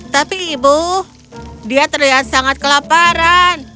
tapi ibu dia terlihat sangat kelaparan